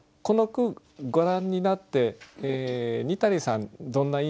この句ご覧になってにたりさん